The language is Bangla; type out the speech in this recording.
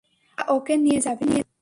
ওরা ওকে নিয়ে যাবে।